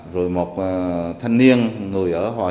rồi một thanh niên người ở hòa hiệp